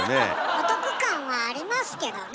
お得感はありますけどね。